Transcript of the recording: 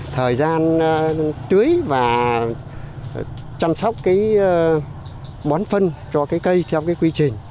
thời gian tưới và chăm sóc bón phân cho cây theo quy trình